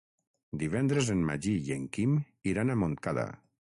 Divendres en Magí i en Quim iran a Montcada.